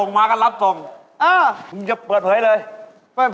น้าโกรธใช่ไหม